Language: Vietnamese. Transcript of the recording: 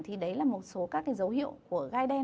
thì đấy là một số các dấu hiệu của gai đen